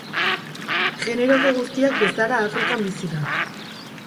Generoko guztiak bezala Afrikan bizi da.